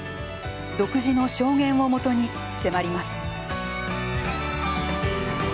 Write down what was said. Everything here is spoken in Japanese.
独自の証言をもとに迫ります。